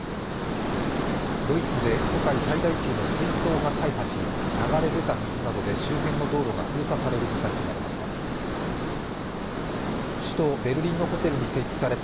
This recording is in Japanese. ドイツで世界最大級の水槽が大破し流れ出た水などで周辺の道路が封鎖される事態となりました。